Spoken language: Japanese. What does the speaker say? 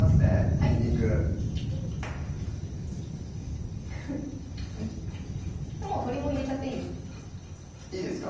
にんにくもう鶏も入れちゃっていいですいいですか？